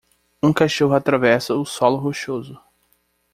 Um cachorro atravessa o solo rochoso.